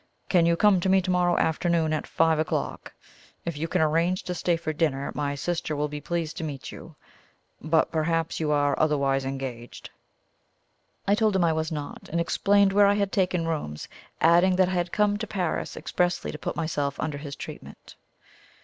Can you come to me tomorrow afternoon at five o'clock? If you can arrange to stay to dinner, my sister will be pleased to meet you; but perhaps you are otherwise engaged?" I told him I was not, and explained where I had taken rooms, adding that I had come to Paris expressly to put myself under his treatment.